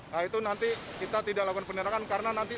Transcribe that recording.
nah itu nanti kita tidak lakukan penerangan karena nanti